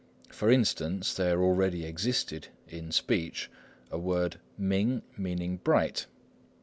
For instance, there already existed in speech a word ming, meaning "bright."